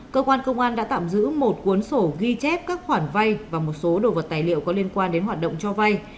cơ quan công an đã tạm giữ một cuốn sổ ghi chép các khoản vay và một số đồ vật tài liệu có liên quan đến hoạt động cho vay